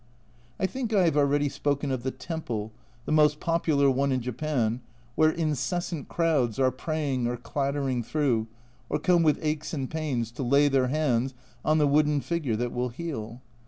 I think I have already spoken of the temple, the most popular one in Japan, where incessant crowds are praying or clattering through, or come with aches and pains to lay their hands on the wooden figure that will heal.